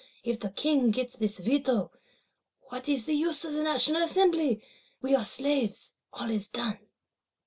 If the King get this Veto, what is the use of National Assembly? We are slaves, all is done.